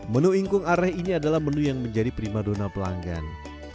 menu ingkung areh ini adalah menu yang menjadi prima dona pelanggan